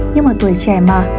nhưng mà tuổi trẻ mà